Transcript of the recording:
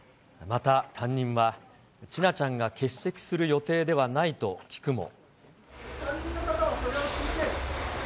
また担任は、千奈ちゃんが欠席する予定ではないと聞くも。